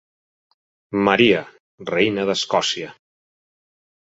"Maria, reina d'Escòcia".